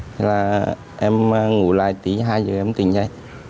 thế là em ngủ lại tí hai giờ em tỉnh dậy